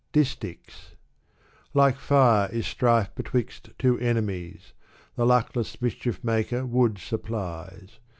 Dis/ichs. Like fire is strife betwixt two enemies : The luckless mischief maker wood supplies.